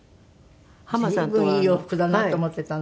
随分いい洋服だなと思っていたの。